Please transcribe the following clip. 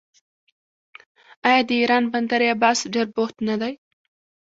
آیا د ایران بندر عباس ډیر بوخت نه دی؟